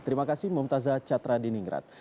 terima kasih mu'min taza chattradiningrat